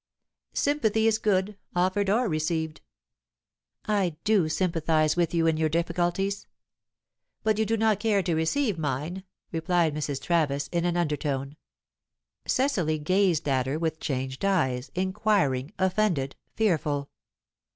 "Sympathy is good offered or received." "I do sympathize with you in your difficulties." "But you do not care to receive mine," replied Mrs. Travis, in an undertone. Cecily gazed at her with changed eyes, inquiring, offended, fearful.